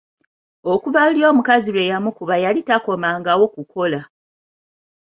Okuva luli omukazi lwe yamukuba yali takomangawo kukola.